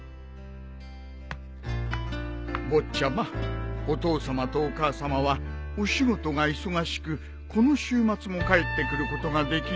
坊ちゃまお父さまとお母さまはお仕事が忙しくこの週末も帰ってくることができないと。